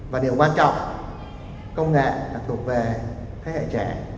và điều quan trọng công nghệ là thuộc về thế hệ trẻ